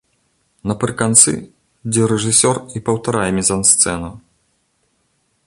Напрыканцы, дзе рэжысёр і паўтарае мізансцэну.